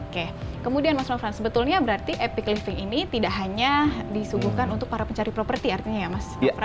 oke kemudian mas nofran sebetulnya berarti epic living ini tidak hanya disuguhkan untuk para pencari properti artinya ya mas